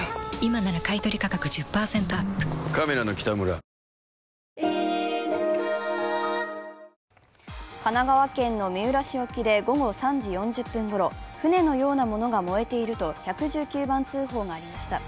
平和について考えるきっかけにしたいと神奈川県の三浦市沖で午後３時４０分ごろ、船のようなものが燃えていると１１９番通報がありました。